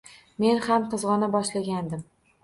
Men ham qizg’ona boshlagandim.